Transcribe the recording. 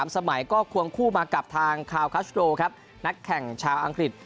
สมัยก็ควงคู่มากับทางคาวคัสโดครับนักแข่งชาวอังกฤษ